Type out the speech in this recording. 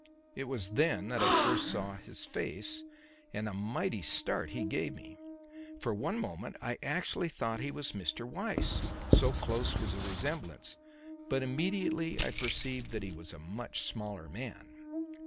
It was then that I first saw his face, and a mighty start he gave me. For one moment I actually thought he was Mr. Weiss, so close was the resemblance, but immediately I perceived that he was a much smaller man.